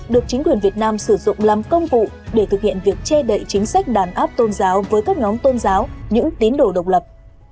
được chính quyền việt nam sử dụng làm công cụ để thực hiện việc che đậy chính sách đàn áp tôn giáo với các nhóm tôn giáo những tín đồ độc lập